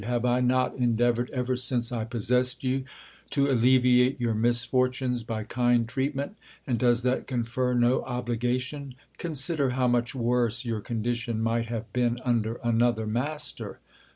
Kave T not endeavoured ever since I possessed you to alleviate your misfortunes by kind treatment ; and does that confer no obligation ? Consider how much worse your condi tion might have been under another m.astcr.